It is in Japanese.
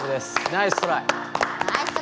ナイストライ。